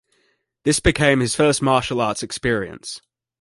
This became his first martial arts experience.